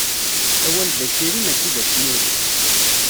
Awal d aciri mačči d asmiri.